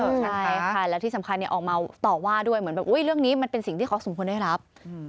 ใช่ค่ะแล้วที่สำคัญออกมาต่อว่าด้วยเหมือนแบบอุ๊ยเรื่องนี้มันเป็นสิ่งที่เขาสมควรได้รับ